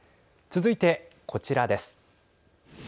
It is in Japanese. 続いて、こちらです。